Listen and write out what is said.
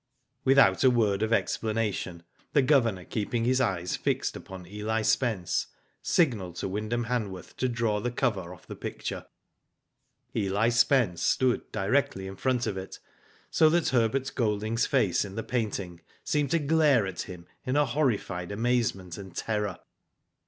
Without a word of explanation, the Governor keeping his eyes fixed upon Eli Spence, signalled to Wyndham Hanworth to draw the cover off the picture. Eli Spence stood directly in front of it so that Herbert Golding's face in the painting seemed to glare at him in horrified amazement and terror.